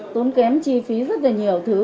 tốn kém chi phí rất là nhiều thứ